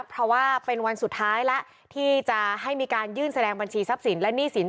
เพราะว่าเป็นวันสุดท้ายแล้วที่จะให้มีการยื่นแสดงบัญชีทรัพย์สินและหนี้สิน